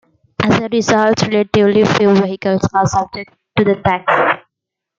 As a result, relatively few vehicles are subject to the tax.